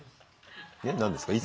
何ですか？